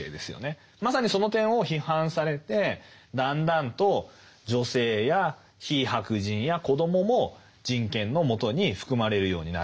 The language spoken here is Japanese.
まさにその点を批判されてだんだんと女性や非白人や子供も人権の下に含まれるようになっていった。